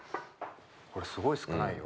これすごい少ないよ。